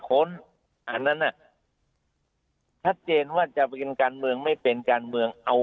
ค้นอันนั้นน่ะชัดเจนว่าจะเป็นการเมืองไม่เป็นการเมืองเอา